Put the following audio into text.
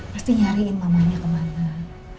pasti nyariin mamanya kemana